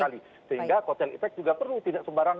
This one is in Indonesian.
sehingga hotel efek juga perlu tidak sembarang